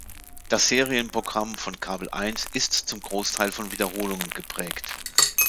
Das Serien-Programm von "kabel eins" ist zum Großteil von Wiederholungen geprägt.